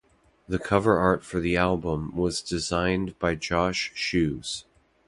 The cover-art for the album was designed by Josh Shoes.